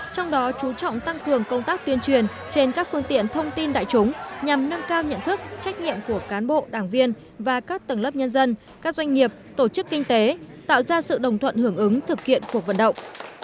trong đó chú trọng tăng cường công tác tuyên truyền trên các phương tiện thông tin đại chúng nhằm nâng cao nhận thức trách nhiệm của cán bộ đảng viên và các tầng lớp nhân dân các doanh nghiệp tổ chức kinh tế tạo ra sự đồng thuận hưởng ứng thực hiện cuộc vận động